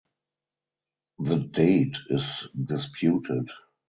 The date is disputed.